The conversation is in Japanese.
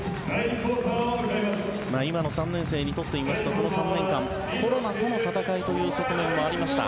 今の３年生にとってみますとこの３年間、コロナとの闘いという側面もありました。